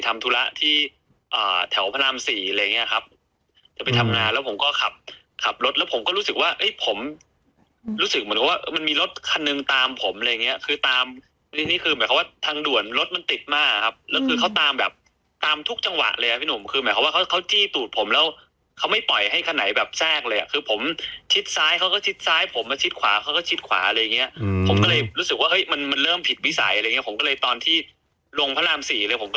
รู้สึกเหมือนเขาว่ามันมีรถคันหนึ่งตามผมอะไรอย่างเงี้ยคือตามนี่นี่คือหมายความว่าทางด่วนรถมันติดมาครับแล้วคือเขาตามแบบตามทุกจังหวะเลยอะพี่หนุ่มคือหมายความว่าเขาเขาจี้ตูดผมแล้วเขาไม่ปล่อยให้คันไหนแบบแทรกเลยอะคือผมชิดซ้ายเขาก็ชิดซ้ายผมมาชิดขวาเขาก็ชิดขวาอะไรอย่างเงี้ยอืมผมก็เลยรู้สึกว